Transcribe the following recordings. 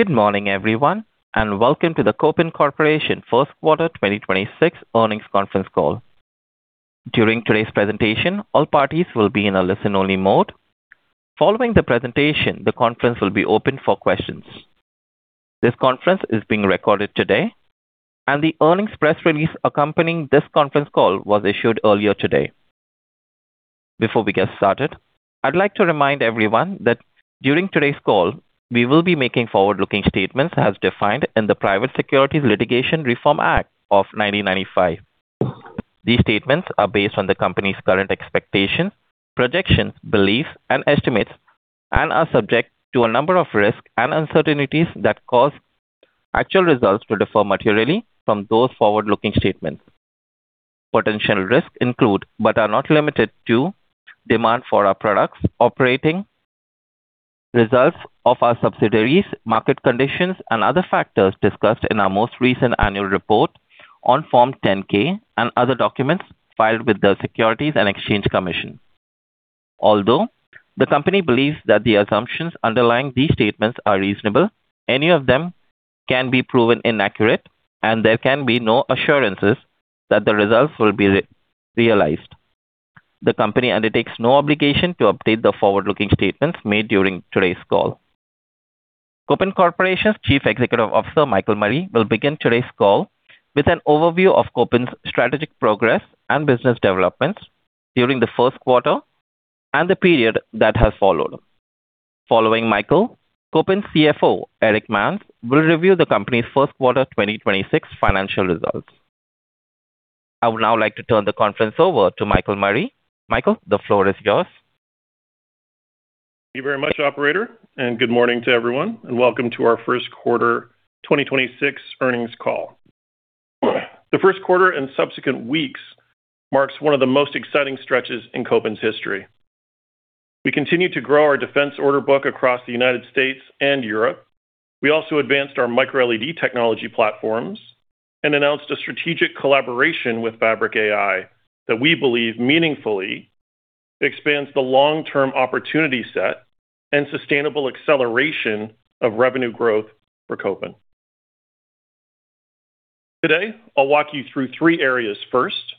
Good morning, everyone and welcome to the Kopin Corporation first quarter 2026 earnings conference call. During today's presentation, all parties will be in a listen-only mode. Following the presentation, the conference will be opened for questions. This conference is being recorded today, and the earnings press release accompanying this conference call was issued earlier today. Before we get started, I'd like to remind everyone that during today's call, we will be making forward-looking statements as defined in the Private Securities Litigation Reform Act of 1995. These statements are based on the company's current expectations, projections, beliefs, and estimates and are subject to a number of risks and uncertainties that cause actual results to differ materially from those forward-looking statements. Potential risks include, but are not limited to, demand for our products, operating results of our subsidiaries, market conditions, and other factors discussed in our most recent annual report on Form 10-K and other documents filed with the Securities and Exchange Commission. Although the company believes that the assumptions underlying these statements are reasonable, any of them can be proven inaccurate, and there can be no assurances that the results will be realized. The company undertakes no obligation to update the forward-looking statements made during today's call. Kopin Corporation's Chief Executive Officer, Michael Murray, will begin today's call with an overview of Kopin's strategic progress and business developments during the first quarter and the period that has followed. Following Michael, Kopin's CFO, Erich Manz, will review the company's first quarter 2026 financial results. I would now like to turn the conference over to Michael Murray. Michael, the floor is yours. Thank you very much, operator, and good morning to everyone, and welcome to our first quarter 2026 earnings call. The first quarter and subsequent weeks marks one of the most exciting stretches in Kopin's history. We continue to grow our defense order book across the United States and Europe. We also advanced our MicroLED technology platforms and announced a strategic collaboration with Fabric.AI that we believe meaningfully expands the long-term opportunity set and sustainable acceleration of revenue growth for Kopin. Today, I'll walk you through three areas. First,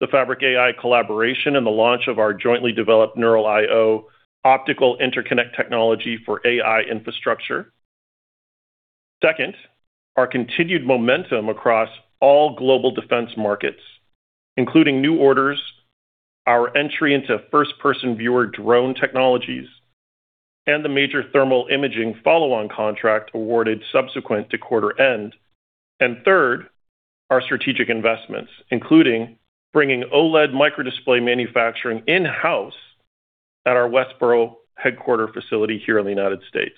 the Fabric.AI collaboration and the launch of our jointly developed Neural I/o optical interconnect technology for AI infrastructure. Second, our continued momentum across all global defense markets, including new orders, our entry into first-person viewer drone technologies, and the major thermal imaging follow-on contract awarded subsequent to quarter end. Third, our strategic investments, including bringing OLED microdisplay manufacturing in-house at our Westborough headquarter facility here in the United States,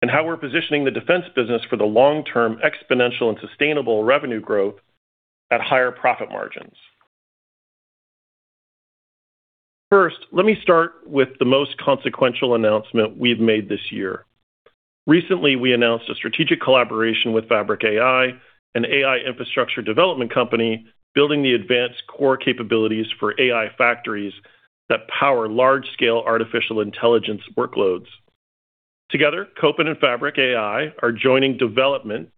and how we're positioning the defense business for the long-term exponential and sustainable revenue growth at higher profit margins. First, let me start with the most consequential announcement we've made this year. Recently, we announced a strategic collaboration with Fabric.AI, an AI infrastructure development company building the advanced core capabilities for AI factories that power large-scale artificial intelligence workloads. Together, Kopin and Fabric.AI are joining development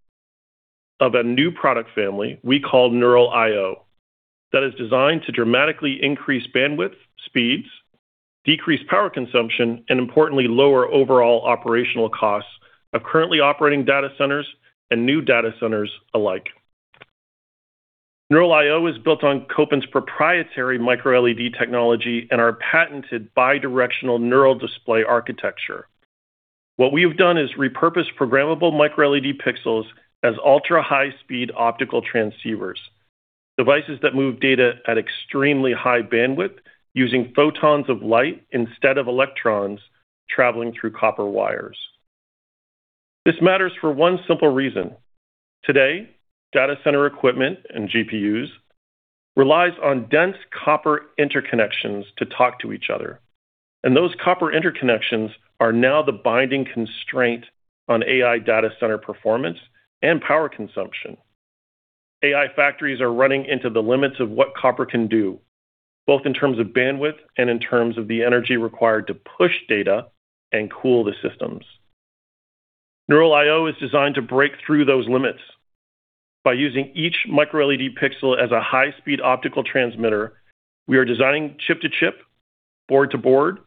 of a new product family we call Neural I/o that is designed to dramatically increase bandwidth speeds, decrease power consumption, and importantly, lower overall operational costs of currently operating data centers and new data centers alike. Neural I/o is built on Kopin's proprietary MicroLED technology and our patented bi-directional NeuralDisplay architecture. What we've done is repurpose programmable MicroLED pixels as ultra-high speed optical transceivers, devices that move data at extremely high bandwidth using photons of light instead of electrons traveling through copper wires. This matters for one simple reason. Today, data center equipment and GPUs relies on dense copper interconnections to talk to each other, and those copper interconnections are now the binding constraint on AI data center performance and power consumption. AI factories are running into the limits of what copper can do, both in terms of bandwidth and in terms of the energy required to push data and cool the systems. Neural I/o is designed to break through those limits. By using each MicroLED pixel as a high-speed optical transmitter, we are designing chip-to-chip, board-to-board,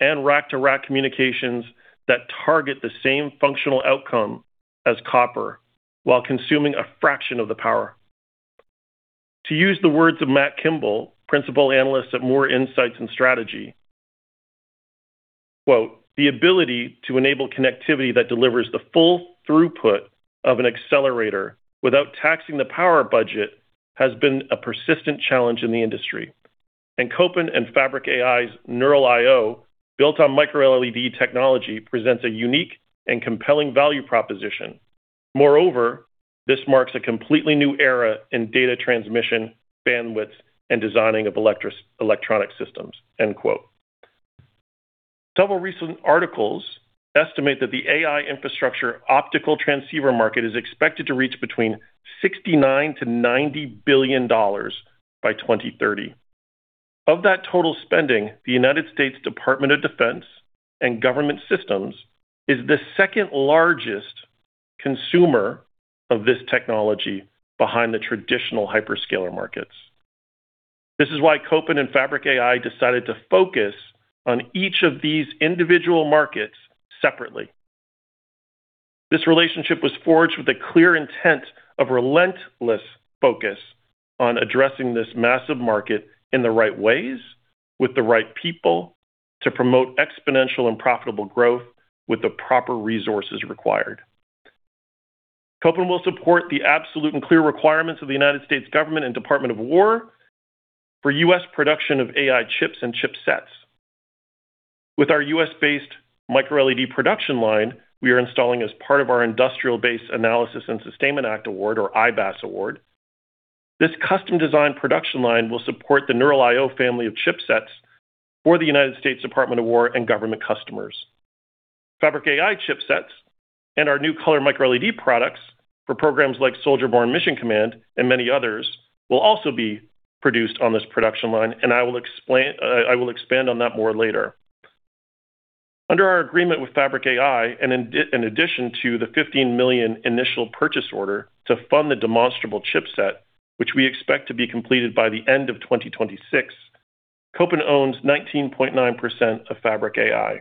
and rack-to-rack communications that target the same functional outcome as copper while consuming a fraction of the power. To use the words of Matt Kimball, principal analyst at Moor Insights & Strategy, quote, "The ability to enable connectivity that delivers the full throughput of an accelerator without taxing the power budget has been a persistent challenge in the industry. And Kopin and Fabric.AI's Neural I/o, built on MicroLED technology, presents a unique and compelling value proposition. Moreover, this marks a completely new era in data transmission, bandwidth, and designing of electronic systems." End quote. Several recent articles estimate that the AI infrastructure optical transceiver market is expected to reach between $69 billion-$90 billion by 2030. Of that total spending, the United States Department of Defense and government systems is the second largest consumer of this technology behind the traditional hyperscaler markets. This is why Kopin and Fabric.AI decided to focus on each of these individual markets separately. This relationship was forged with a clear intent of relentless focus on addressing this massive market in the right ways with the right people to promote exponential and profitable growth with the proper resources required. Kopin will support the absolute and clear requirements of the United States government and Department of War for U.S. production of AI chips and chipsets. With our U.S.-based MicroLED production line we are installing as part of our Industrial Base Analysis and Sustainment Act award, or IBAS award, this custom-designed production line will support the Neural I/o family of chipsets for the United States Department of War and government customers. Fabric.AI chipsets and our new color MicroLED products for programs like Soldier Borne Mission Command and many others will also be produced on this production line, and I will expand on that more later. Under our agreement with Fabric.AI, in addition to the $15 million initial purchase order to fund the demonstrable chipset, which we expect to be completed by the end of 2026, Kopin owns 19.9% of Fabric.AI,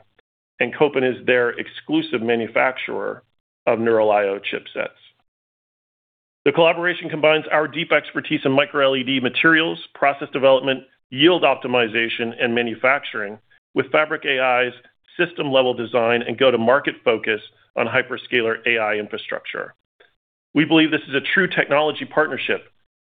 and Kopin is their exclusive manufacturer of Neural I/o chipsets. The collaboration combines our deep expertise in MicroLED materials, process development, yield optimization, and manufacturing with Fabric.AI's system-level design and go-to-market focus on hyperscaler AI infrastructure. We believe this is a true technology partnership.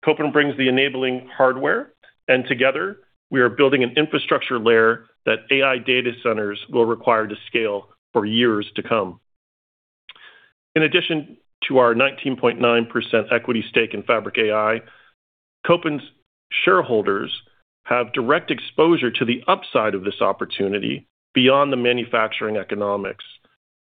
Kopin brings the enabling hardware, and together, we are building an infrastructure layer that AI data centers will require to scale for years to come. In addition to our 19.9% equity stake in Fabric.AI, Kopin's shareholders have direct exposure to the upside of this opportunity beyond the manufacturing economics.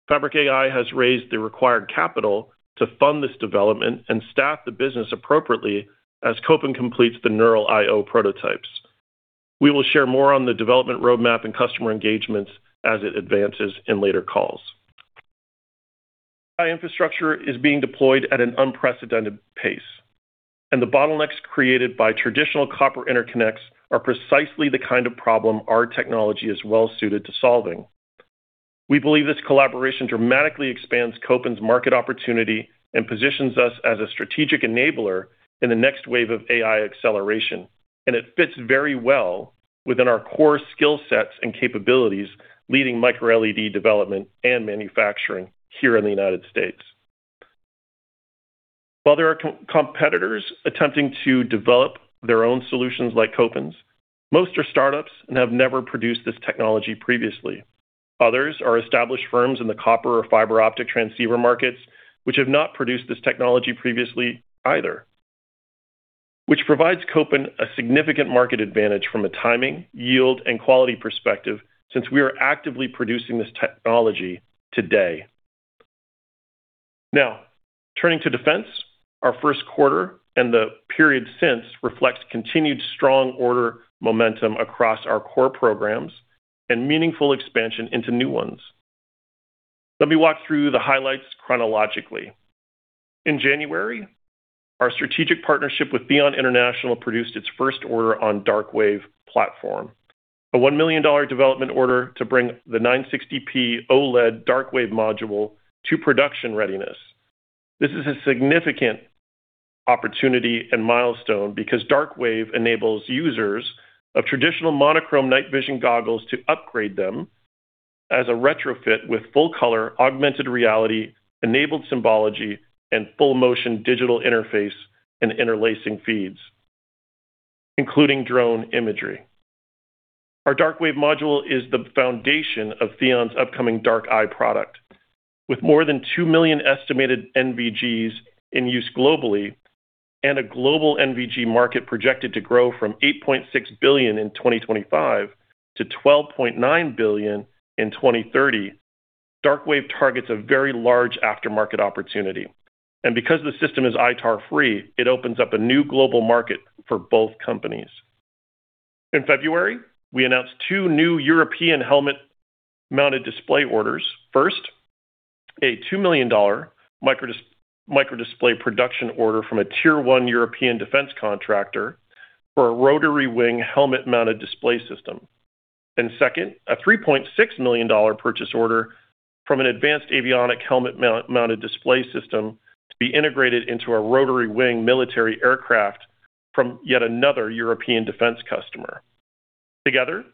Fabric.AI has raised the required capital to fund this development and staff the business appropriately as Kopin completes the Neural I/o prototypes. We will share more on the development roadmap and customer engagements as it advances in later calls. AI infrastructure is being deployed at an unprecedented pace, and the bottlenecks created by traditional copper interconnects are precisely the kind of problem our technology is well-suited to solving. We believe this collaboration dramatically expands Kopin's market opportunity and positions us as a strategic enabler in the next wave of AI acceleration, and it fits very well within our core skill sets and capabilities leading MicroLED development and manufacturing here in the United States. While there are competitors attempting to develop their own solutions like Kopin's, most are startups and have never produced this technology previously. Others are established firms in the copper or fiber optic transceiver markets which have not produced this technology previously either, which provides Kopin a significant market advantage from a timing, yield, and quality perspective since we are actively producing this technology today. Now, turning to defense, our first quarter and the period since reflects continued strong order momentum across our core programs and meaningful expansion into new ones. Let me walk through the highlights chronologically. In January, our strategic partnership with THEON International produced its first order on DarkWAVE platform, a $1 million development order to bring the 960p OLED DarkWAVE module to production readiness. This is a significant opportunity and milestone because DarkWAVE enables users of traditional monochrome night vision goggles to upgrade them as a retrofit with full-color augmented reality-enabled symbology and full-motion digital interface and interlacing feeds, including drone imagery. Our DarkWAVE module is the foundation of THEON's upcoming DARK-I product. With more than 2 million estimated NVGs in use globally and a global NVG market projected to grow from $8.6 billion in 2025 to $12.9 billion in 2030, DarkWAVE targets a very large aftermarket opportunity. Because the system is ITAR-free, it opens up a new global market for both companies. In February, we announced two new European helmet-mounted display orders. First, a $2 million microdisplay production order from a Tier 1 European defense contractor for a rotary-wing helmet-mounted display system. Second, a $3.6 million purchase order from an advanced avionic helmet-mounted display system to be integrated into a rotary-wing military aircraft from yet another European defense customer. Together,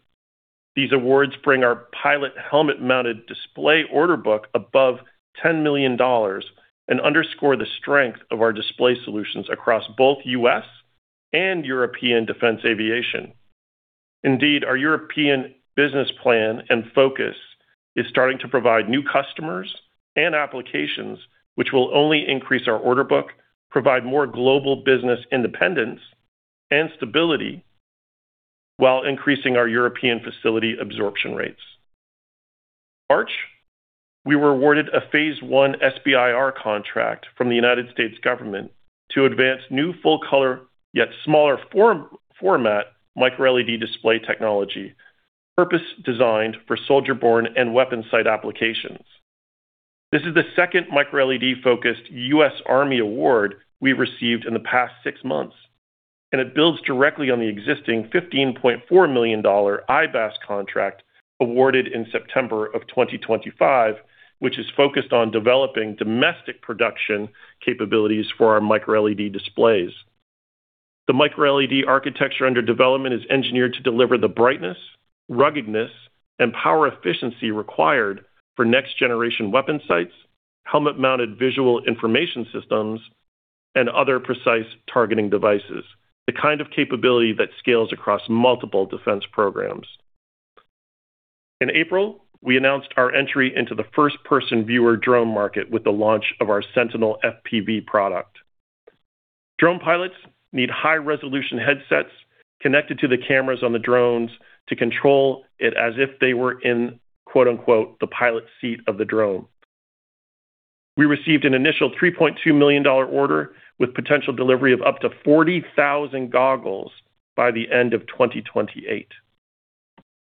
these awards bring our pilot helmet-mounted display order book above $10 million and underscore the strength of our display solutions across both U.S. and European defense aviation. Indeed, our European business plan and focus is starting to provide new customers and applications which will only increase our order book, provide more global business independence and stability while increasing our European facility absorption rates. March, we were awarded a Phase 1 SBIR contract from the United States government to advance new full color, yet smaller format MicroLED display technology, purpose-designed for soldier-borne and weapon sight applications. This is the second MicroLED-focused U.S. Army award we've received in the past six months, and it builds directly on the existing $15.4 million IBAS contract awarded in September of 2025, which is focused on developing domestic production capabilities for our MicroLED displays. The MicroLED architecture under development is engineered to deliver the brightness, ruggedness, and power efficiency required for next-generation weapon sights, helmet-mounted visual information systems, and other precise targeting devices, the kind of capability that scales across multiple defense programs. In April, we announced our entry into the first-person viewer drone market with the launch of our Sentinel FPV product. Drone pilots need high-resolution headsets connected to the cameras on the drones to control it as if they were in, quote-unquote, "The pilot seat of the drone." We received an initial $3.2 million order with potential delivery of up to 40,000 goggles by the end of 2028.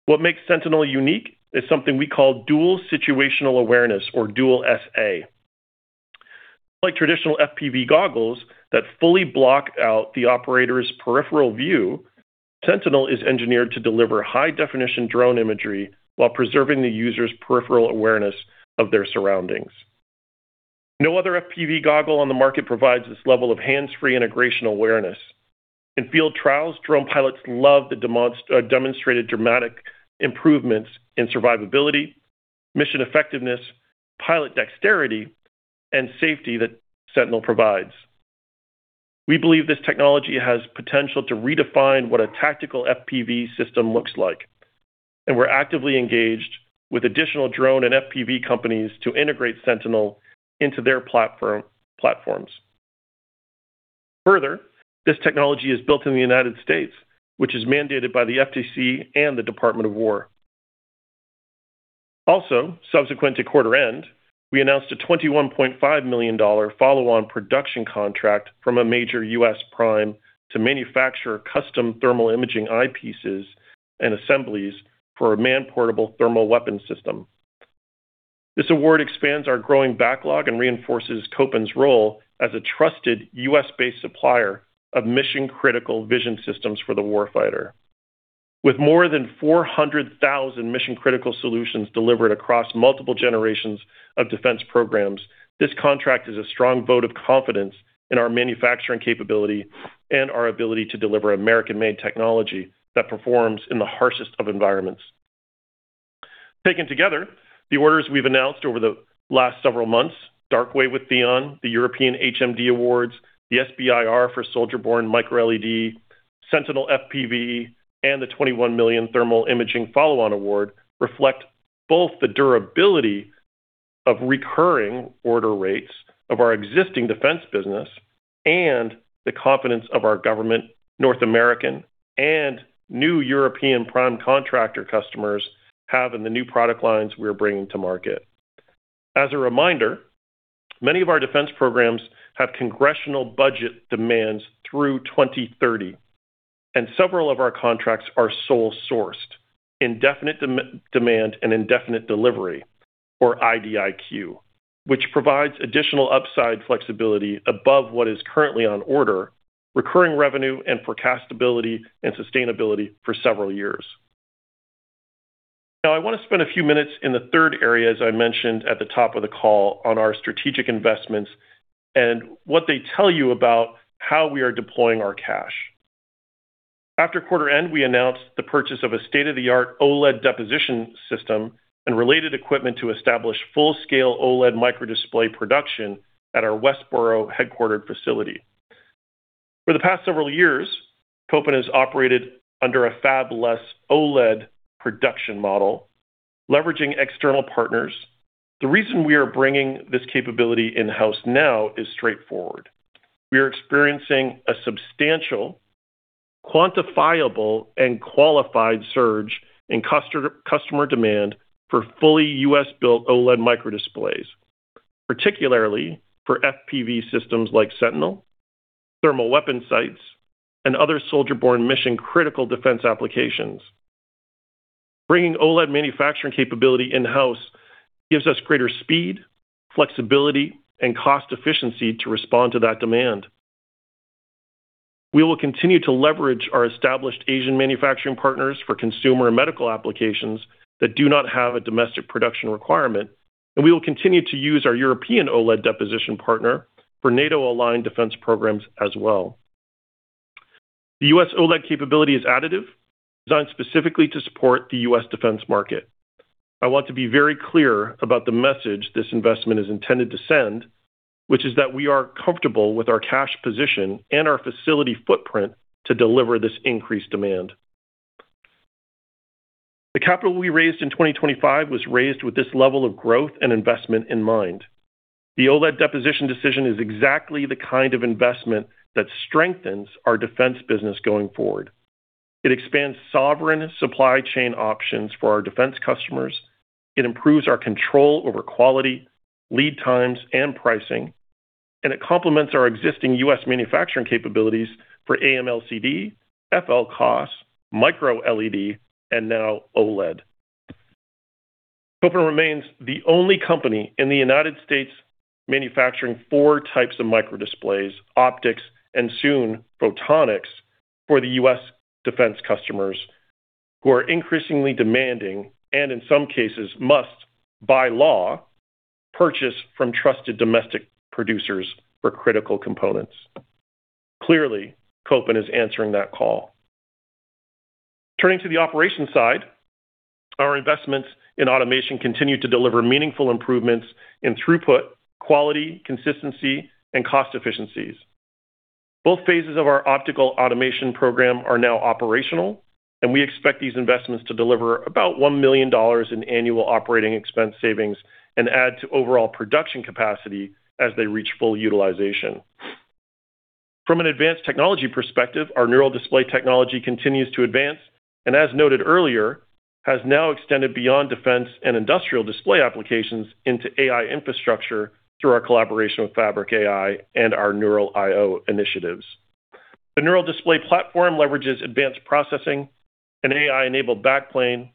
What makes Sentinel unique is something we call Dual Situational Awareness or Dual SA. Like traditional FPV goggles that fully block out the operator's peripheral view, Sentinel is engineered to deliver high-definition drone imagery while preserving the user's peripheral awareness of their surroundings. No other FPV goggle on the market provides this level of hands-free integration awareness. In field trials, drone pilots love the demonstrated dramatic improvements in survivability, mission effectiveness, pilot dexterity, and safety that Sentinel provides. We believe this technology has potential to redefine what a tactical FPV system looks like, and we're actively engaged with additional drone and FPV companies to integrate Sentinel into their platforms. Further, this technology is built in the United States, which is mandated by the FTC and the Department of War. Also, subsequent to quarter end, we announced a $21.5 million follow-on production contract from a major U.S. prime to manufacture custom thermal imaging eyepieces and assemblies for a man-portable thermal weapon system. This award expands our growing backlog and reinforces Kopin's role as a trusted U.S.-based supplier of mission-critical vision systems for the warfighter. With more than 400,000 mission-critical solutions delivered across multiple generations of defense programs, this contract is a strong vote of confidence in our manufacturing capability and our ability to deliver American-made technology that performs in the harshest of environments. Taken together, the orders we've announced over the last several months, DarkWAVE with THEON, the European HMD awards, the SBIR for soldier-borne MicroLED, Sentinel FPV, and the $21 million thermal imaging follow-on award reflect both the durability of recurring order rates of our existing defense business and the confidence of our government, North American, and new European prime contractor customers have in the new product lines we're bringing to market. As a reminder, many of our defense programs have congressional budget demands through 2030, and several of our contracts are sole-sourced, indefinite demand and indefinite delivery, or IDIQ, which provides additional upside flexibility above what is currently on order, recurring revenue, and forecastability and sustainability for several years. Now, I want to spend a few minutes in the third area, as I mentioned at the top of the call, on our strategic investments and what they tell you about how we are deploying our cash. After quarter end, we announced the purchase of a state-of-the-art OLED deposition system and related equipment to establish full-scale OLED microdisplay production at our Westborough headquartered facility. For the past several years, Kopin has operated under a fabless OLED production model, leveraging external partners. The reason we are bringing this capability in-house now is straightforward. We are experiencing a substantial, quantifiable, and qualified surge in customer demand for fully U.S.-built OLED microdisplays, particularly for FPV systems like Sentinel, thermal weapon sights, and other soldier-borne mission-critical defense applications. Bringing OLED manufacturing capability in-house gives us greater speed, flexibility, and cost efficiency to respond to that demand. We will continue to leverage our established Asian manufacturing partners for consumer and medical applications that do not have a domestic production requirement. We will continue to use our European OLED deposition partner for NATO-aligned defense programs as well. The U.S. OLED capability is additive, designed specifically to support the U.S. defense market. I want to be very clear about the message this investment is intended to send, which is that we are comfortable with our cash position and our facility footprint to deliver this increased demand. The capital we raised in 2025 was raised with this level of growth and investment in mind. The OLED deposition decision is exactly the kind of investment that strengthens our defense business going forward. It expands sovereign supply chain options for our defense customers. It improves our control over quality, lead times, and pricing. It complements our existing U.S. manufacturing capabilities for AMLCD, FLCoS, MicroLED, and now OLED. Kopin remains the only company in the United States manufacturing four types of microdisplays, optics, and soon, photonics for the U.S. defense customers who are increasingly demanding, and in some cases must, by law, purchase from trusted domestic producers for critical components. Clearly, Kopin is answering that call. Turning to the operations side, our investments in automation continue to deliver meaningful improvements in throughput, quality, consistency, and cost efficiencies. Both phases of our optical automation program are now operational, and we expect these investments to deliver about $1 million in annual operating expense savings and add to overall production capacity as they reach full utilization. From an advanced technology perspective, our NeuralDisplay technology continues to advance, and as noted earlier, has now extended beyond defense and industrial display applications into AI infrastructure through our collaboration with Fabric.AI and our Neural I/o initiatives. The NeuralDisplay platform leverages advanced processing, an AI-enabled backplane,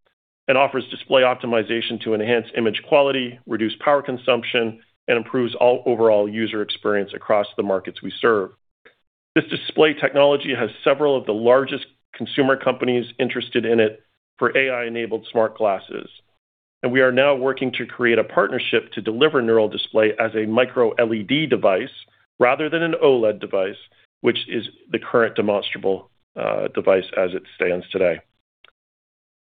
and offers display optimization to enhance image quality, reduce power consumption, and improves all overall user experience across the markets we serve. This display technology has several of the largest consumer companies interested in it for AI-enabled smart glasses and we are now working to create a partnership to deliver NeuralDisplay as a MicroLED device rather than an OLED device, which is the current demonstrable device as it stands today.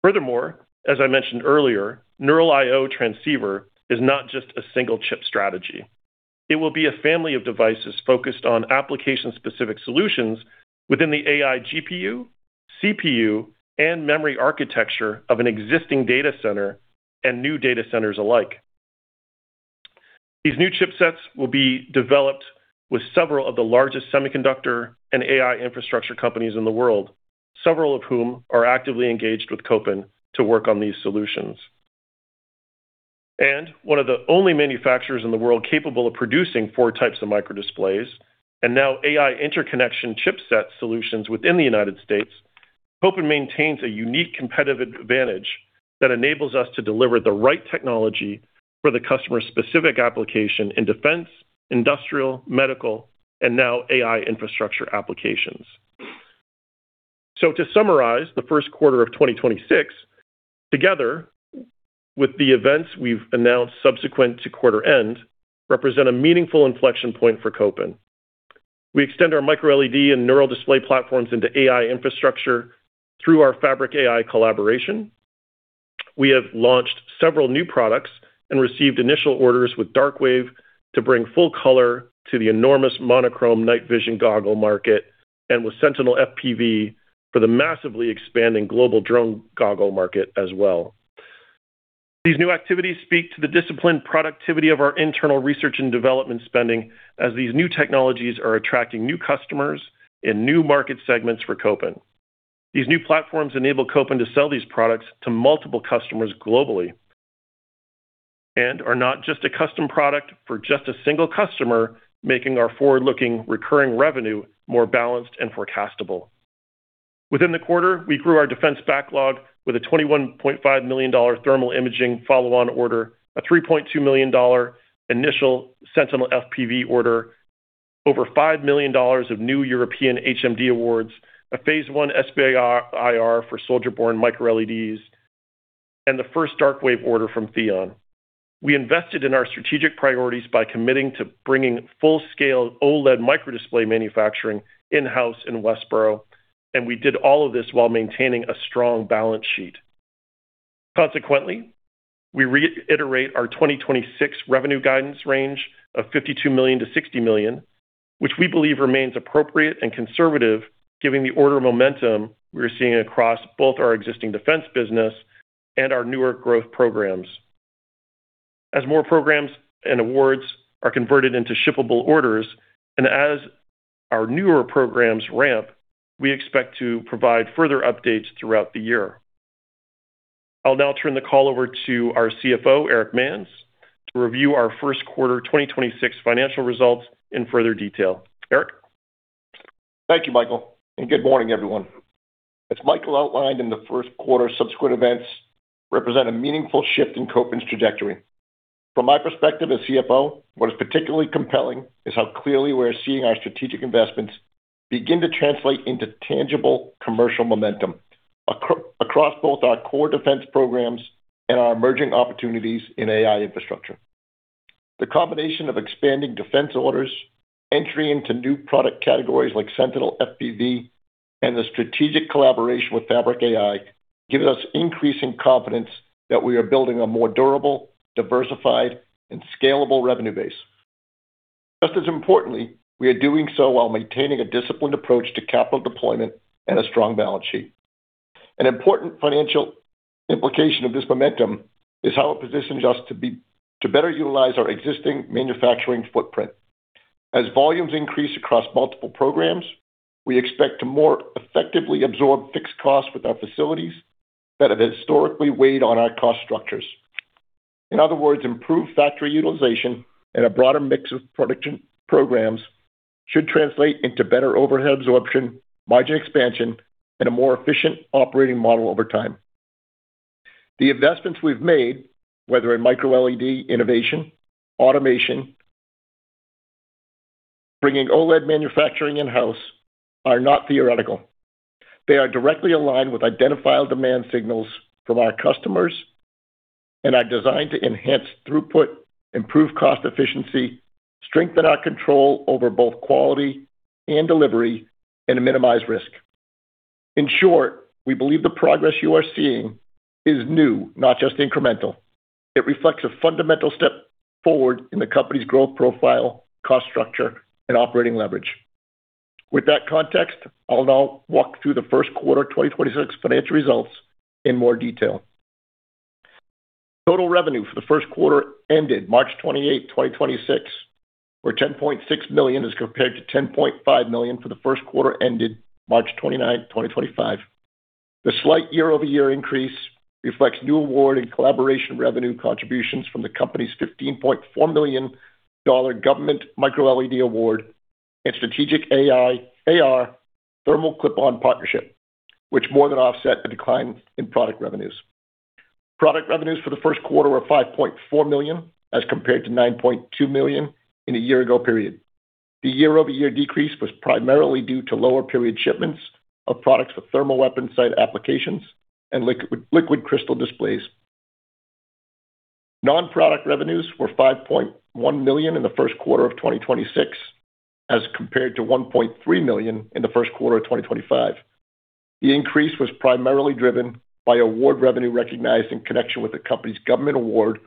Furthermore, as I mentioned earlier, Neural I/o transceiver is not just a single chip strategy. It will be a family of devices focused on application-specific solutions within the AI GPU, CPU, and memory architecture of an existing data center and new data centers alike. These new chipsets will be developed with several of the largest semiconductor and AI infrastructure companies in the world, several of whom are actively engaged with Kopin to work on these solutions. And one of the only manufacturers in the world capable of producing four types of micro displays, and now AI interconnection chipset solutions within the United States, Kopin maintains a unique competitive advantage that enables us to deliver the right technology for the customer-specific application in defense, industrial, medical, and now AI infrastructure applications. So, to summarize the first quarter of 2026, together with the events we've announced subsequent to quarter end represent a meaningful inflection point for Kopin. We extend our MicroLED and NeuralDisplay platforms into AI infrastructure through our Fabric.AI collaboration. We have launched several new products and received initial orders with DarkWAVE to bring full color to the enormous monochrome night vision goggle market and with Sentinel FPV for the massively expanding global drone goggle market as well. These new activities speak to the disciplined productivity of our internal research and development spending as these new technologies are attracting new customers in new market segments for Kopin. These new platforms enable Kopin to sell these products to multiple customers globally and are not just a custom product for just a single customer making our forward-looking recurring revenue more balanced and forecastable. Within the quarter, we grew our defense backlog with a $21.5 million thermal imaging follow-on order, a $3.2 million initial Sentinel FPV order, over $5 million of new European HMD awards, a Phase 1 SBIR for soldier-borne MicroLEDs, and the first DarkWAVE order from THEON. We invested in our strategic priorities by committing to bringing full-scale OLED microdisplay manufacturing in-house in Westborough. And we did all of this while maintaining a strong balance sheet. Consequently, we reiterate our 2026 revenue guidance range of $52 million-$60 million, which we believe remains appropriate and conservative given the order momentum we're seeing across both our existing defense business and our newer growth programs. As more programs and awards are converted into shippable orders, and as our newer programs ramp, we expect to provide further updates throughout the year. I'll now turn the call over to our CFO, Erich Manz, to review our first quarter 2026 financial results in further detail. Erich? Thank you, Michael and good morning, everyone. As Michael outlined in the first quarter, subsequent events represent a meaningful shift in Kopin's trajectory. From my perspective as CFO, what is particularly compelling is how clearly we're seeing our strategic investments begin to translate into tangible commercial momentum across both our core defense programs and our emerging opportunities in AI infrastructure. The combination of expanding defense orders, entry into new product categories like Sentinel FPV, and the strategic collaboration with Fabric.AI gives us increasing confidence that we are building a more durable, diversified, and scalable revenue base. Just as importantly, we are doing so while maintaining a disciplined approach to capital deployment and a strong balance sheet. An important financial implication of this momentum is how it positions us to better utilize our existing manufacturing footprint. As volumes increase across multiple programs, we expect to more effectively absorb fixed costs with our facilities that have historically weighed on our cost structures. In other words, improved factory utilization and a broader mix of production programs should translate into better overhead absorption, margin expansion, and a more efficient operating model over time. The investments we've made, whether in MicroLED innovation, automation, bringing OLED manufacturing in-house, are not theoretical. They are directly aligned with identifiable demand signals from our customers and are designed to enhance throughput, improve cost efficiency, strengthen our control over both quality and delivery, and to minimize risk. In short, we believe the progress you are seeing is new, not just incremental. It reflects a fundamental step forward in the company's growth profile, cost structure, and operating leverage. With that context, I'll now walk through the first quarter 2026 financial results in more detail. Total revenue for the first quarter ended March 28, 2026, was $10.6 million as compared to $10.5 million for the first quarter ended March 29, 2025. The slight year-over-year increase reflects new award and collaboration revenue contributions from the company's $15.4 million government MicroLED award and strategic AI, AR thermal clip-on partnership, which more than offset the decline in product revenues. Product revenues for the first quarter were $5.4 million as compared to $9.2 million in a year-ago period. The year-over-year decrease was primarily due to lower period shipments of products for thermal weapon sight applications and liquid crystal displays. Non-product revenues were $5.1 million in the first quarter of 2026, as compared to $1.3 million in the first quarter of 2025. The increase was primarily driven by award revenue recognized in connection with the company's government award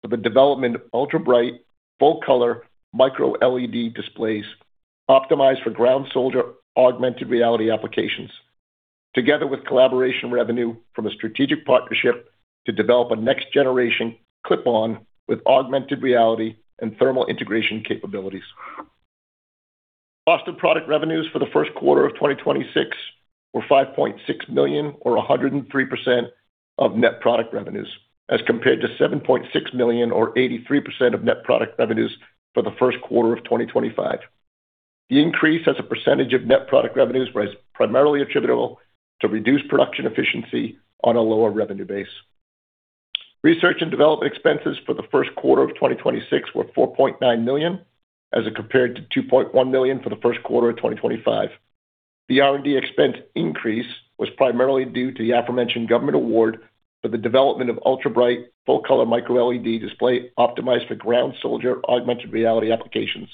for the development of ultra-bright, full-color MicroLED displays optimized for ground soldier augmented reality applications, together with collaboration revenue from a strategic partnership to develop a next-generation clip-on with augmented reality and thermal integration capabilities. Cost of product revenues for the first quarter of 2026 were $5.6 million or 103% of net product revenues, as compared to $7.6 million or 83% of net product revenues for the first quarter of 2025. The increase as a percentage of net product revenues was primarily attributable to reduced production efficiency on a lower revenue base. Research and development expenses for the first quarter of 2026 were $4.9 million, as compared to $2.1 million for the first quarter of 2025. The R&D expense increase was primarily due to the aforementioned government award for the development of ultra-bright, full-color MicroLED display optimized for ground soldier augmented reality applications,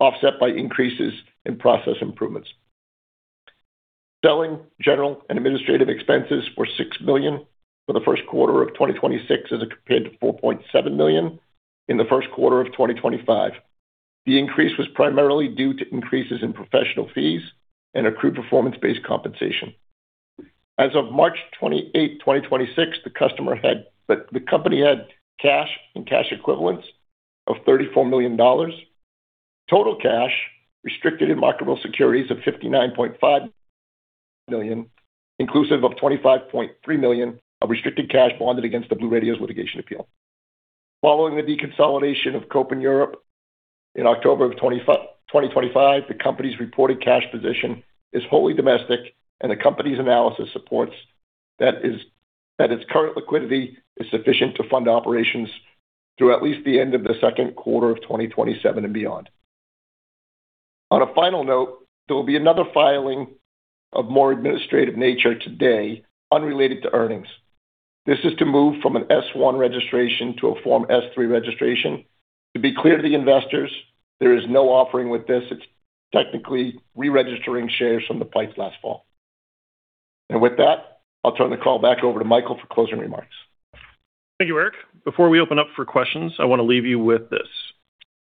offset by increases in process improvements. Selling, general, and administrative expenses were $6 million for the first quarter of 2026 as compared to $4.7 million in the first quarter of 2025. The increase was primarily due to increases in professional fees and accrued performance-based compensation. As of March 28, 2026, the company had cash and cash equivalents of $34 million. Total cash restricted in marketable securities of $59.5 million, inclusive of $25.3 million of restricted cash bonded against the BlueRadios litigation appeal. Following the deconsolidation of Kopin Europe in October of 2025, the company's reported cash position is wholly domestic, and the company's analysis supports that its current liquidity is sufficient to fund operations through at least the end of the second quarter of 2027 and beyond. On a final note, there will be another filing of more administrative nature today unrelated to earnings. This is to move from an S-1 registration to a Form S-3 registration. To be clear to the investors, there is no offering with this, it's technically reregistering shares from the PIPEs last fall. With that, I'll turn the call back over to Michael for closing remarks. Thank you, Erich. Before we open up for questions, I want to leave you with this.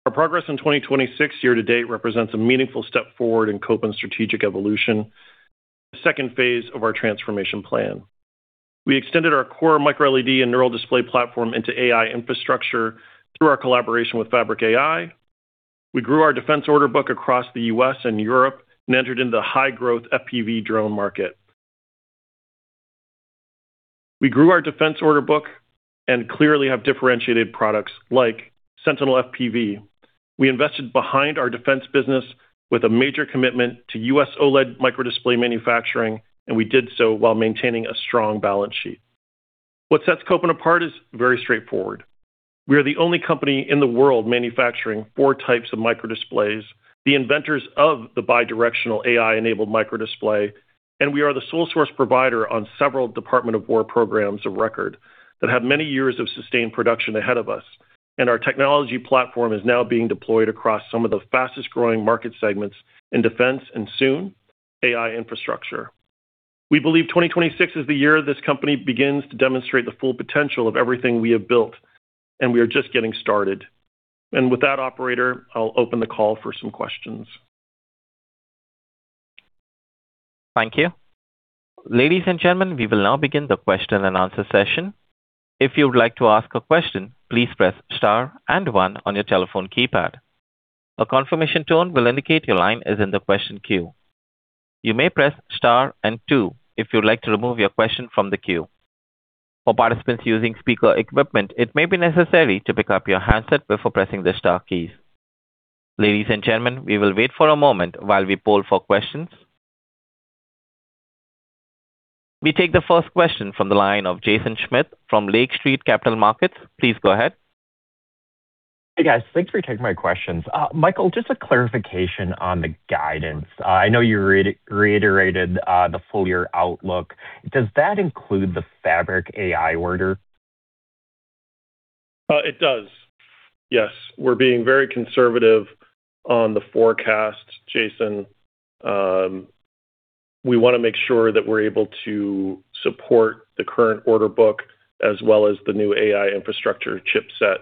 Our progress in 2026 year-to-date represents a meaningful step forward in Kopin's strategic evolution, the second phase of our transformation plan. We extended our core MicroLED and NeuralDisplay platform into AI infrastructure through our collaboration with Fabric.AI. We grew our defense order book across the U.S. and Europe and entered into the high-growth FPV drone market. We grew our defense order book and clearly have differentiated products like Sentinel FPV. We invested behind our defense business with a major commitment to U.S. OLED microdisplay manufacturing, and we did so while maintaining a strong balance sheet. What sets Kopin apart is very straightforward. We are the only company in the world manufacturing four types of microdisplays, the inventors of the bi-directional AI-enabled microdisplay, and we are the sole source provider on several Department of War programs of record that have many years of sustained production ahead of us. And our technology platform is now being deployed across some of the fastest-growing market segments in defense and soon, AI infrastructure. We believe 2026 is the year this company begins to demonstrate the full potential of everything we have built, and we are just getting started. With that, operator, I'll open the call for some questions. Thank you. Ladies and gentlemen, we will now begin the question-and-answer session. If you would like to ask a question, please press star and one on your telephone keypad. A confirmation tone will indicate your line is in the question queue. You may press star and two if you'd like to remove your question from the queue. For participants using speaker equipment, it may be necessary to pick up your handset before pressing the star keys. Ladies and gentlemen, we will wait for a moment while we poll for questions. We take the first question from the line of Jaeson Schmidt from Lake Street Capital Markets. Please go ahead. Hey, guys. Thanks for taking my questions. Michael, just a clarification on the guidance. I know you reiterated the full year outlook. Does that include the Fabric.AI order? It does. Yes. We're being very conservative on the forecast, Jaeson. We wanna make sure that we're able to support the current order book as well as the new AI infrastructure chipset,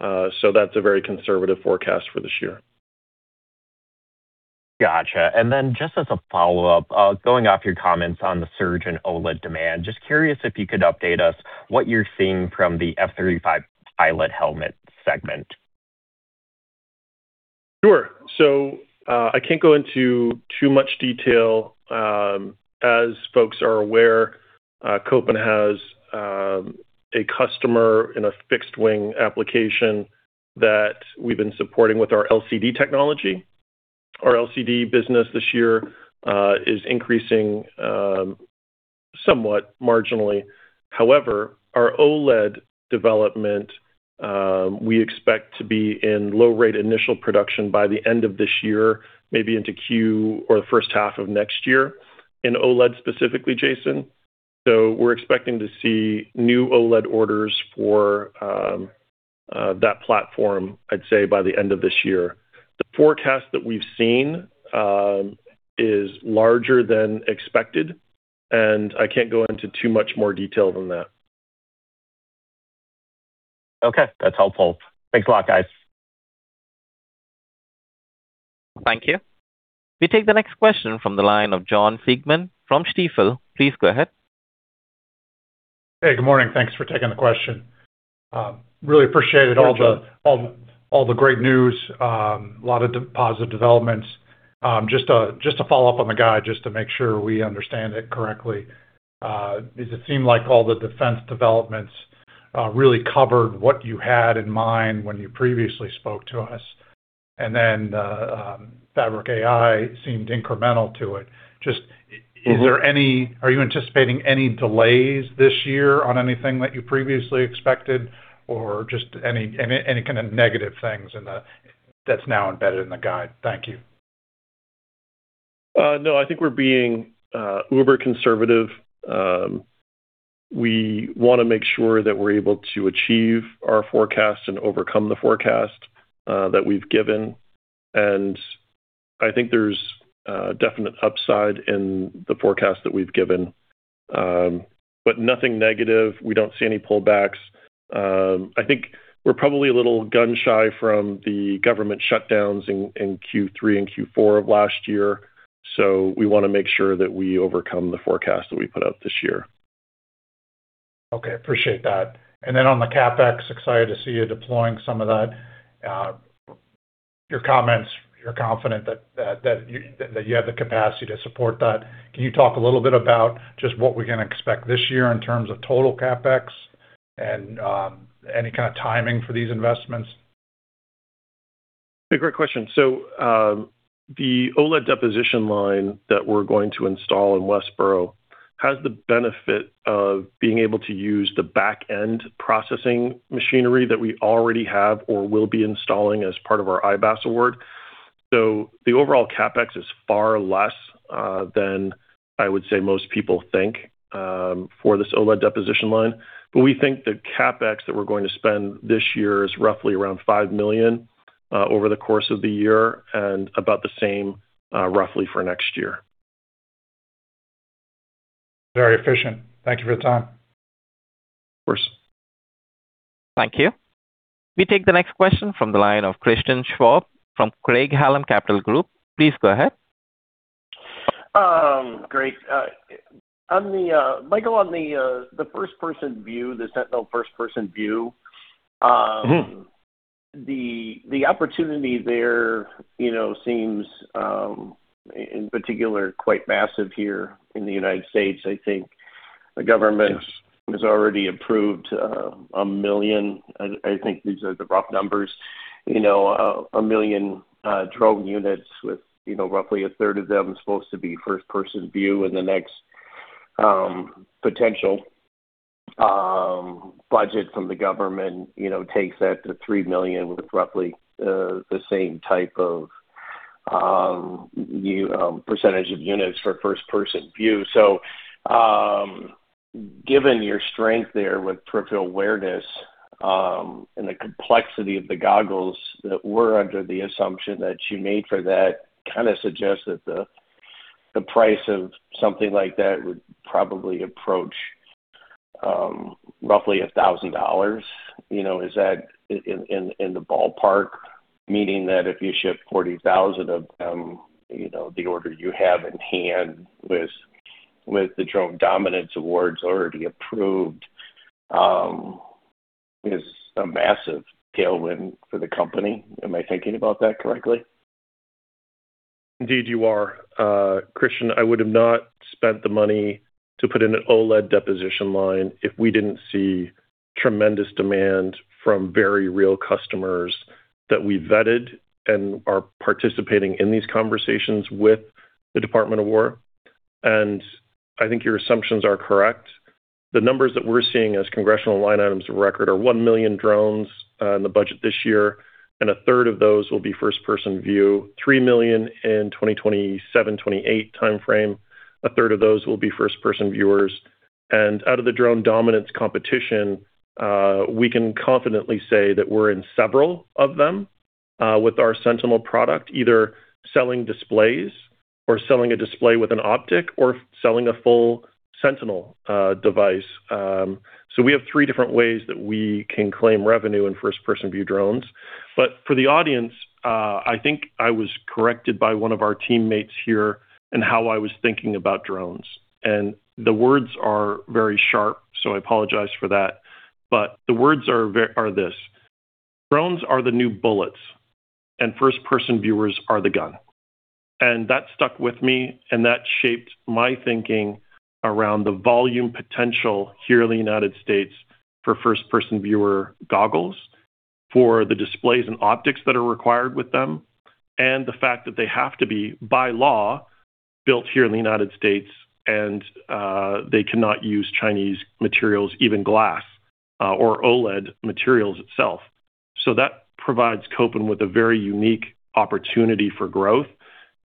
so that's a very conservative forecast for this year. Gotcha. Just as a follow-up, going off your comments on the surge in OLED demand, just curious if you could update us what you're seeing from the F-35 pilot helmet segment? Sure. So, I can't go into too much detail, as folks are aware, Kopin has a customer in a fixed wing application that we've been supporting with our LCD technology. Our LCD business this year is increasing somewhat marginally. However, our OLED development, we expect to be in low-rate initial production by the end of this year, maybe into Q or the first half of next year in OLED specifically, Jaeson. We're expecting to see new OLED orders for that platform, I'd say, by the end of this year. The forecast that we've seen is larger than expected, and I can't go into too much more detail than that. Okay. That's helpful. Thanks a lot, guys. Thank you. We take the next question from the line of Jon Siegmann from Stifel. Please go ahead. Hey, good morning. Thanks for taking the question. Sure, Jon. Really appreciate all the great news, a lot of positive developments. Just to follow up on the guide, just to make sure we understand it correctly, is it seemed like all the defense developments really covered what you had in mind when you previously spoke to us, and then Fabric.AI seemed incremental to it. Just, is there any, are you anticipating any delays this year on anything that you previously expected or just any kind of negative things that's now embedded in the guide? Thank you. No, I think we're being uber-conservative. We wanna make sure that we're able to achieve our forecast and overcome the forecast that we've given. I think there's a definite upside in the forecast that we've given, but nothing negative, we don't see any pullbacks. I think, we're probably a little gun-shy from the government shutdowns in Q3 and Q4 of last year, so we wanna make sure that we overcome the forecast that we put out this year. Okay. Appreciate that. On the CapEx, excited to see you deploying some of that. Your comments, you're confident that you have the capacity to support that. Can you talk a little bit about just what we can expect this year in terms of total CapEx and any kind of timing for these investments? Great question. The OLED deposition line that we're going to install in Westborough has the benefit of being able to use the back-end processing machinery that we already have or will be installing as part of our IBAS award. The overall CapEx is far less than I would say most people think for this OLED deposition line. We think the CapEx that we're going to spend this year is roughly around $5 million over the course of the year and about the same roughly for next year. Very efficient. Thank you for the time. Of course. Thank you. We take the next question from the line of Christian Schwab from Craig-Hallum Capital Group. Please go ahead. Great. On the, Michael, on the first-person view, the Sentinel First-Person View, the opportunity there, you know, seems, in particular, quite massive here in the United States, I think. Yes. The government has already approved 1 million, I think these are the rough numbers, you know, 1 million drone units with, you know, roughly a third of them supposed to be first-person view in the next potential budget from the government. You know, takes that to 3 million with roughly the same type of percentage of units for first-person view. Given your strength there with [Dual Situational] Awareness, and the complexity of the goggles that were under the assumption that you made for that, kinda suggests that the price of something like that would probably approach roughly $1,000, you know, is that in the ballpark? Meaning that if you ship 40,000 of them, you know, the order you have in hand with the Drone Dominance awards already approved, is a massive tailwind for the company. Am I thinking about that correctly? Indeed, you are. Christian, I would have not spent the money to put in an OLED deposition line if we didn't see tremendous demand from very real customers that we vetted and are participating in these conversations with the Department of War. I think your assumptions are correct. The numbers that we're seeing as congressional line items of record are 1 million drones in the budget this year, and a third of those will be first-person view. 3 million in 2027, 2028 timeframe, a third of those will be first-person viewers. Out of the Drone Dominance competition, we can confidently say that we're in several of them with our Sentinel product, either selling displays or selling a display with an optic or selling a full Sentinel device. We have three different ways that we can claim revenue in first-person view drones. For the audience, I think I was corrected by one of our teammates here in how I was thinking about drones. The words are very sharp, so I apologize for that. But the words are this: "Drones are the new bullets, and first-person viewers are the gun." That stuck with me, and that shaped my thinking around the volume potential here in the United States for first-person viewer goggles, for the displays and optics that are required with them, and the fact that they have to be, by law, built here in the United States and they cannot use Chinese materials, even glass, or OLED materials itself. That provides Kopin with a very unique opportunity for growth.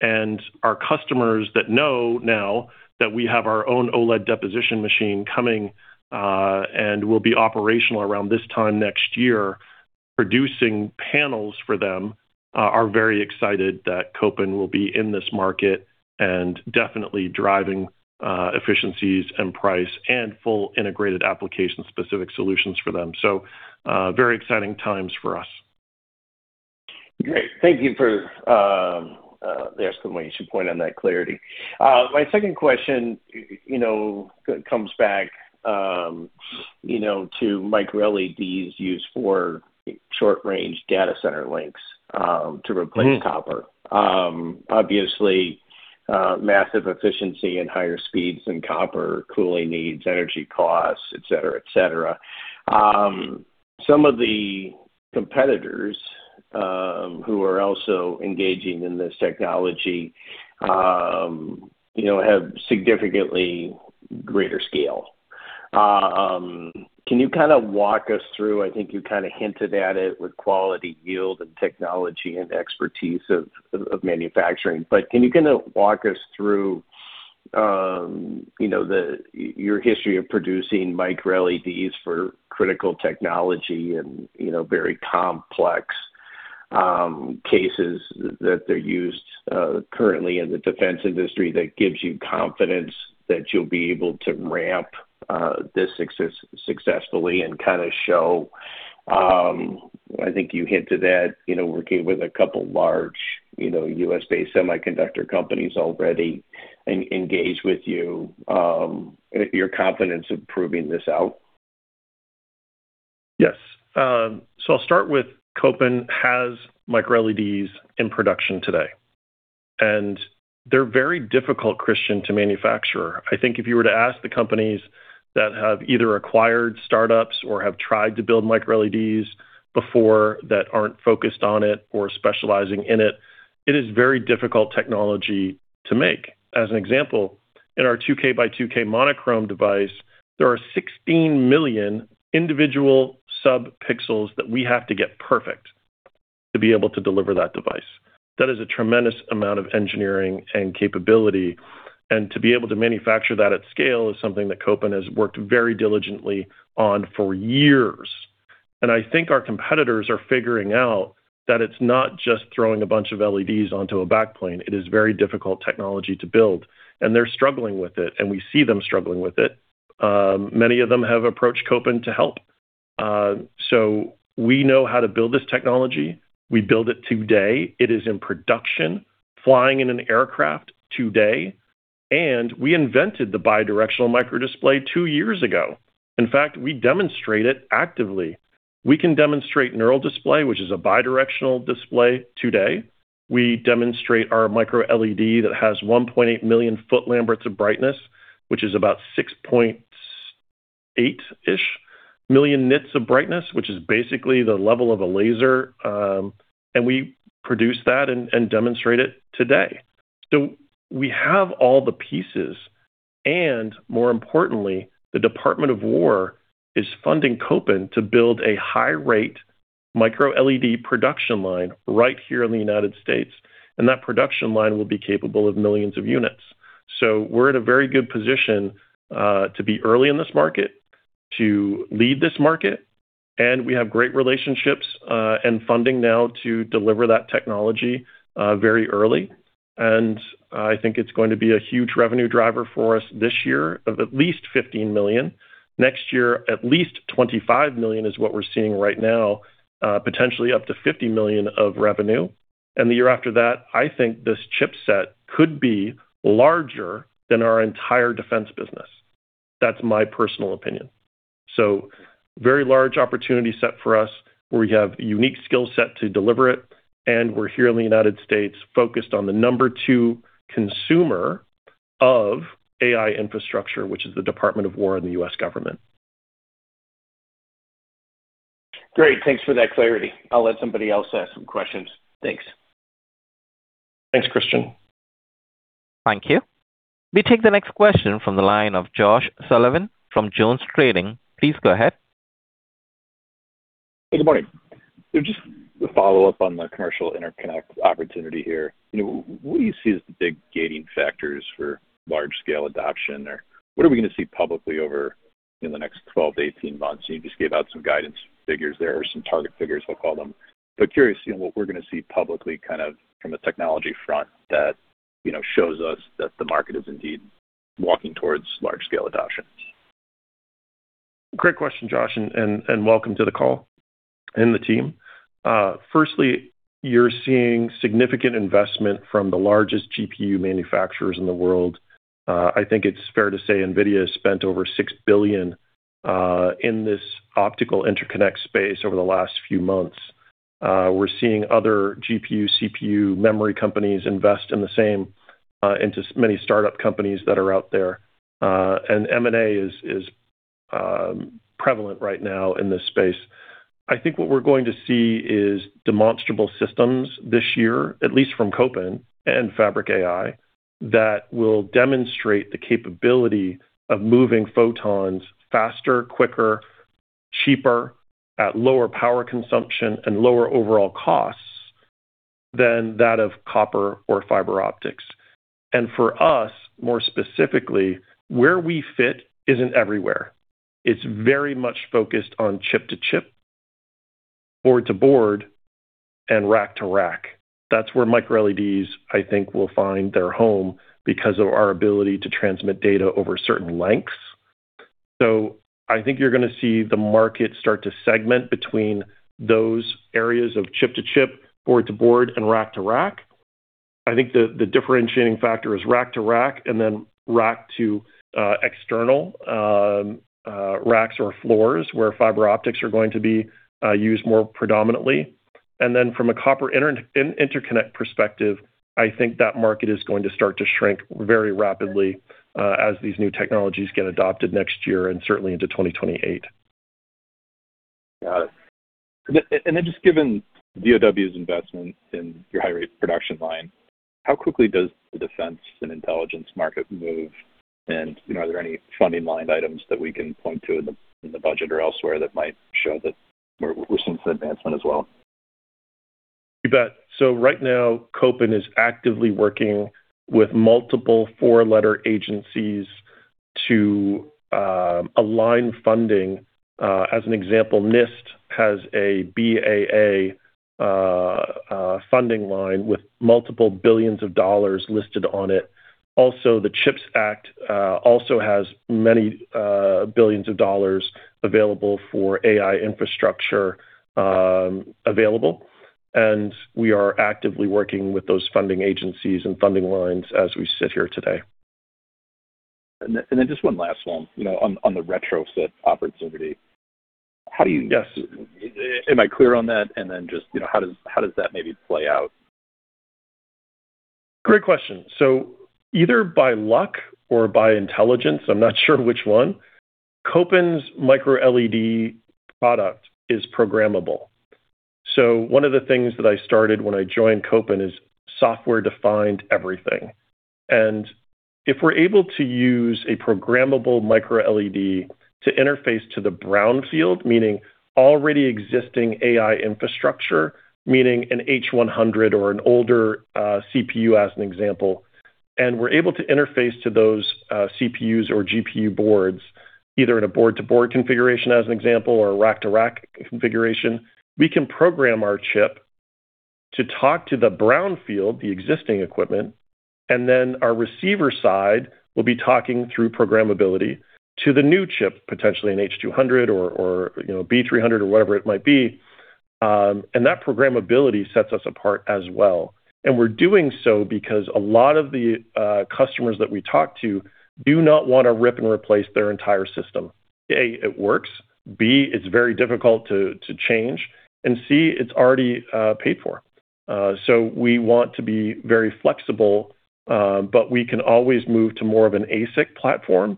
Our customers that know now that we have our own OLED deposition machine coming and will be operational around this time next year, producing panels for them, are very excited that Kopin will be in this market and definitely driving efficiencies and price and full integrated application-specific solutions for them. So, very exciting times for us. Great. Thank you for the estimation point on that clarity. My second question, you know, comes back, you know, to MicroLEDs used for short-range data center links, to replace copper. Obviously, massive efficiency and higher speeds than copper, cooling needs, energy costs, et cetera, et cetera. Some of the competitors, who are also engaging in this technology, you know, have significantly greater scale. Can you kind of walk us through, I think you kind of hinted at it with quality yield and technology and expertise of manufacturing, but can you kind of walk us through, you know, the, your history of producing MicroLEDs for critical technology and, you know, very complex cases that they're used currently in the defense industry that gives you confidence that you'll be able to ramp this successfully and kind of show, I think you hinted at, you know, working with a couple large, you know, U.S.-based semiconductor companies already engaged with you, your confidence in proving this out? Yes. I'll start with Kopin has MicroLEDs in production today, and they're very difficult, Christian, to manufacture. I think if you were to ask the companies that have either acquired startups or have tried to build MicroLEDs before that aren't focused on it or specializing in it, it is very difficult technology to make. As an example, in our 2K x 2K monochrome device, there are 16 million individual sub-pixels that we have to get perfect to be able to deliver that device. That is a tremendous amount of engineering and capability, and to be able to manufacture that at scale is something that Kopin has worked very diligently on for years. I think our competitors are figuring out that it's not just throwing a bunch of LEDs onto a backplane. It is very difficult technology to build, and they're struggling with it, and we see them struggling with it. Many of them have approached Kopin to help. We know how to build this technology. We build it today. It is in production, flying in an aircraft today, and we invented the bi-directional microdisplay two years ago. In fact, we demonstrate it actively. We can demonstrate NeuralDisplay, which is a bi-directional display today. We demonstrate our MicroLED that has 1.8 million fL of brightness, which is about 6.8-ish million nits of brightness, which is basically the level of a laser. We produce that and demonstrate it today. We have all the pieces, and more importantly, the Department of War is funding Kopin to build a high rate MicroLED production line right here in the United States, and that production line will be capable of millions of units. We're in a very good position to be early in this market, to lead this market. We have great relationships and funding now to deliver that technology very early. I think it's going to be a huge revenue driver for us this year of at least $15 million. Next year, at least $25 million is what we're seeing right now, potentially up to $50 million of revenue. The year after that, I think this chipset could be larger than our entire defense business. That's my personal opinion. Very large opportunity set for us, where we have a unique skill set to deliver it, and we're here in the United States focused on the number two consumer of AI infrastructure, which is the Department of War and the U.S. government. Great. Thanks for that clarity. I'll let somebody else ask some questions. Thanks. Thanks, Christian. Thank you. We take the next question from the line of Josh Sullivan from JonesTrading. Please go ahead. Good morning. Just to follow up on the commercial interconnect opportunity here. You know, what do you see as the big gating factors for large-scale adoption, or what are we going to see publicly over, you know, the next 12 to 18 months? You just gave out some guidance figures there or some target figures, I'll call them. But curious, you know, what we're going to see publicly kind of from a technology front that, you know, shows us that the market is indeed walking towards large-scale adoption. Great question, Josh, and welcome to the call and the team. Firstly, you're seeing significant investment from the largest GPU manufacturers in the world. I think it's fair to say NVIDIA has spent over $6 billion in this optical interconnect space over the last few months. We're seeing other GPU, CPU, memory companies invest in the same, into many startup companies that are out there. M&A is prevalent right now in this space. I think what we're going to see is demonstrable systems this year, at least from Kopin and Fabric.AI, that will demonstrate the capability of moving photons faster, quicker, cheaper, at lower power consumption and lower overall costs than that of copper or fiber optics. For us, more specifically, where we fit isn't everywhere. It's very much focused on chip-to-chip, board-to-board, and rack-to-rack. That's where MicroLEDs, I think, will find their home because of our ability to transmit data over certain lengths. I think you're going to see the market start to segment between those areas of chip-to-chip, board-to-board, and rack-to-rack. I think the differentiating factor is rack-to-rack and then rack to external racks or floors where fiber optics are going to be used more predominantly. From a copper interconnect perspective, I think that market is going to start to shrink very rapidly as these new technologies get adopted next year and certainly into 2028. Got it. Then just given DoW's investment in your high-rate production line, how quickly does the defense and intelligence market move? You know, are there any funding line items that we can point to in the budget or elsewhere that might show that we're seeing some advancement as well? You bet. Right now, Kopin is actively working with multiple four-letter agencies to align funding. As an example, NIST has a BAA funding line with multiple billions of dollars listed on it. Also, the CHIPS Act also has many billions of dollars available for AI infrastructure available. We are actively working with those funding agencies and funding lines as we sit here today. Just one last one, you know, on the retrofit opportunity. How do you? Yes. Am I clear on that? Then just, you know, how does that maybe play out? Great question. Either by luck or by intelligence, I'm not sure which one, Kopin's MicroLED product is programmable. One of the things that I started when I joined Kopin is software-defined everything. If we're able to use a programmable MicroLED to interface to the brownfield, meaning already existing AI infrastructure, meaning an H100 or an older CPU as an example, and we're able to interface to those CPUs or GPU boards, either in a board-to-board configuration as an example or a rack-to-rack configuration, we can program our chip to talk to the brownfield, the existing equipment, and then our receiver side will be talking through programmability to the new chip, potentially an H200 or, you know, B300 or whatever it might be, and that programmability sets us apart as well. We're doing so because a lot of the customers that we talk to do not want to rip and replace their entire system. A, it works, B, it's very difficult to change, and C, it's already paid for. We want to be very flexible, but we can always move to more of an ASIC platform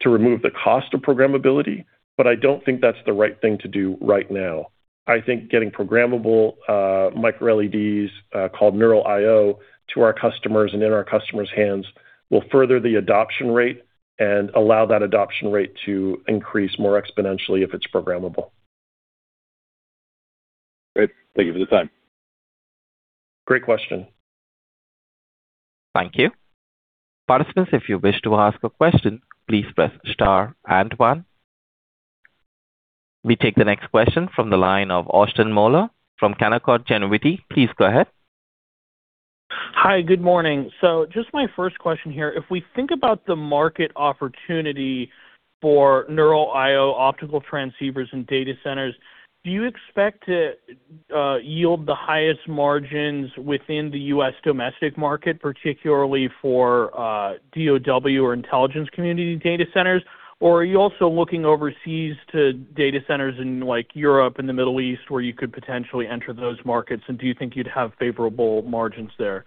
to remove the cost of programmability. But I don't think that's the right thing to do right now. I think getting programmable MicroLEDs, called Neural I/o to our customers and in our customers' hands will further the adoption rate and allow that adoption rate to increase more exponentially if it's programmable. Great. Thank you for the time. Great question. Thank you. Participants, if you wish to ask a question, please press star and one. We take the next question from the line of Austin Moeller from Canaccord Genuity. Please go ahead. Hi. Good morning. Just my first question here. If we think about the market opportunity for Neural I/o optical transceivers and data centers, do you expect to yield the highest margins within the U.S. domestic market, particularly for DoW or intelligence community data centers? Or are you also looking overseas to data centers in like Europe and the Middle East, where you could potentially enter those markets? Do you think you'd have favorable margins there?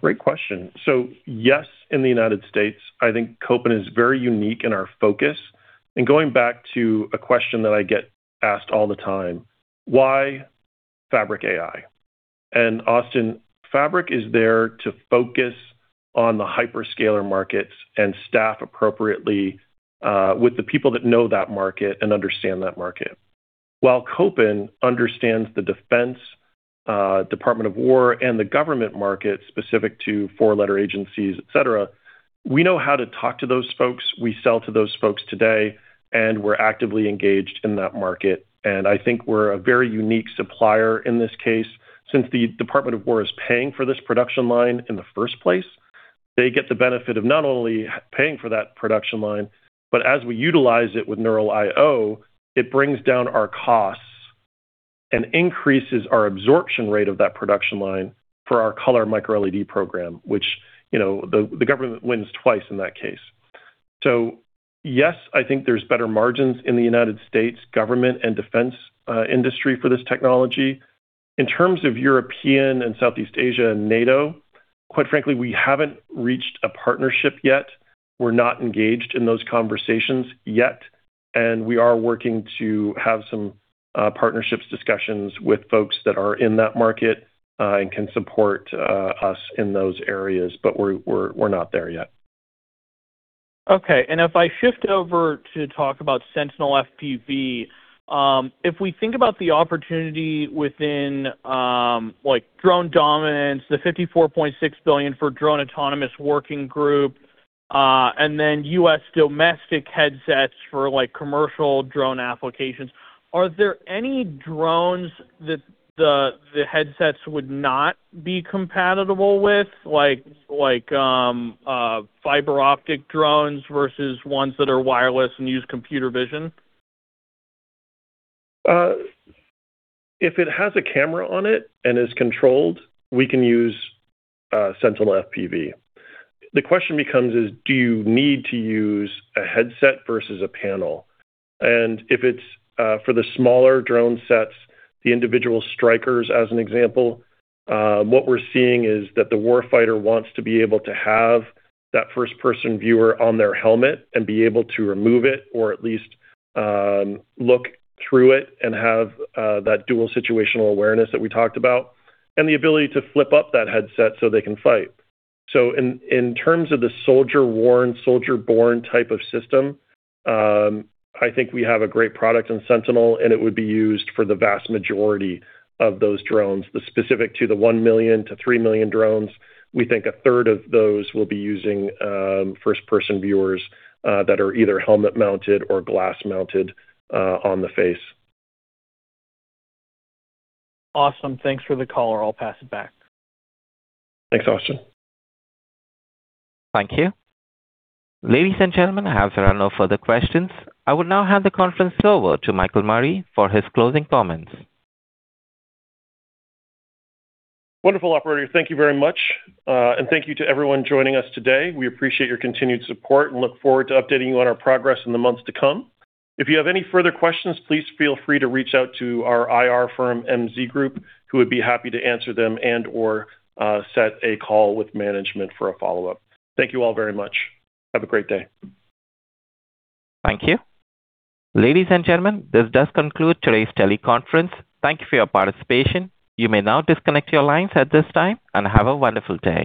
Great question. Yes, in the United States, I think Kopin is very unique in our focus. Going back to a question that I get asked all the time, why Fabric.AI? And Austin, Fabric.AI is there to focus on the hyperscaler markets and staff appropriately with the people that know that market and understand that market. While Kopin understands the defense, Department of War and the government market specific to four-letter agencies, et cetera, we know how to talk to those folks. We sell to those folks today, we're actively engaged in that market. I think we're a very unique supplier in this case. Since the Department of War is paying for this production line in the first place, they get the benefit of not only paying for that production line, but as we utilize it with Neural I/o, it brings down our costs and increases our absorption rate of that production line for our color MicroLED program, which, you know, the government wins twice in that case. So, yes, I think there's better margins in the United States government and defense industry for this technology. In terms of European and Southeast Asia and NATO, quite frankly, we haven't reached a partnership yet. We're not engaged in those conversations yet, and we are working to have some partnerships discussions with folks that are in that market and can support us in those areas. But we're not there yet. Okay. If I shift over to talk about Sentinel FPV. If we think about the opportunity within, like Drone Dominance, the $54.6 billion for drone autonomous working group, and then U.S. domestic headsets for like commercial drone applications, are there any drones that the headsets would not be compatible with? Like, fiber optic drones versus ones that are wireless and use computer vision? If it has a camera on it and is controlled, we can use Sentinel FPV. The question becomes is, do you need to use a headset versus a panel? If it's for the smaller drone sets, the individual strikers, as an example, what we're seeing is that the warfighter wants to be able to have that first-person viewer on their helmet and be able to remove it or at least look through it and have that Dual Situational Awareness that we talked about and the ability to flip up that headset so they can fight. In terms of the soldier worn, soldier borne type of system, I think we have a great product in Sentinel, and it would be used for the vast majority of those drones. The specific to the 1 million to 3 million drones, we think a third of those will be using, first-person viewers, that are either helmet-mounted or glass-mounted, on the face. Awesome. Thanks for the color. I'll pass it back. Thanks, Austin. Thank you. Ladies and gentlemen, as there are no further questions, I will now hand the conference over to Michael Murray for his closing comments. Wonderful, operator. Thank you very much. Thank you to everyone joining us today. We appreciate your continued support and look forward to updating you on our progress in the months to come. If you have any further questions, please feel free to reach out to our IR firm, MZ Group, who would be happy to answer them and or set a call with management for a follow-up. Thank you all very much. Have a great day. Thank you. Ladies and gentlemen, this does conclude today's teleconference. Thank you for your participation. You may now disconnect your lines at this time and have a wonderful day.